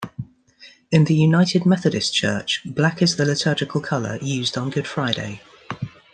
In The United Methodist Church, black is the liturgical colour used on Good Friday.